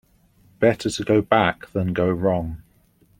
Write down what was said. Better to go back than go wrong.